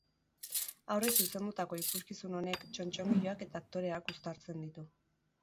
Haurrei zuzendutako ikuskizun honek txotxongiloak eta aktoreak uztartzen ditu.